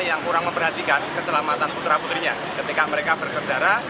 yang kurang memperhatikan keselamatan putra putrinya ketika mereka berkendara